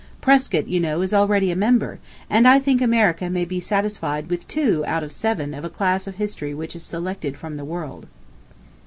Prescott, you know, is already a member, and I think America may be satisfied with two out of seven of a class of History which is selected from the world."